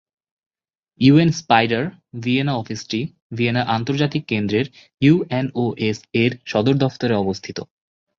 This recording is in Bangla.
ইউএন-স্পাইডার ভিয়েনা অফিসটি ভিয়েনা আন্তর্জাতিক কেন্দ্রের ইউএনওএসএ-র সদর দফতরে অবস্থিত।